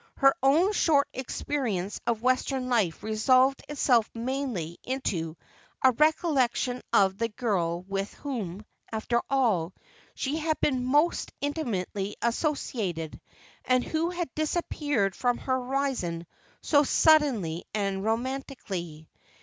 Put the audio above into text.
Her own short experience of Western life resolved itself mainly into a recollection of the girl with whom, after all, she had been most intimately associated, and who had disappeared from her horizon so suddenly and romantically.